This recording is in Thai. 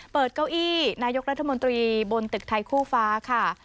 เก้าอี้นายกรัฐมนตรีบนตึกไทยคู่ฟ้าค่ะ